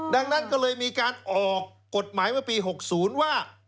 ดังนั้นก็เลยมีการออกกฎหมายเมื่อปี๖๐ว่า